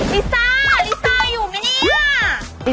ลิซ่าลิซ่าอยู่ไหมเนี่ย